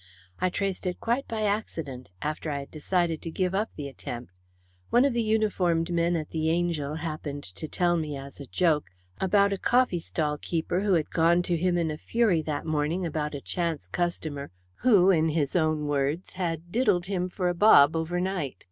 "I traced it quite by accident after I had decided to give up the attempt. One of the uniformed men at the Angel happened to tell me, as a joke, about a coffeestall keeper who had gone to him in a fury that morning about a chance customer, who, in his own words, had diddled him for a bob overnight.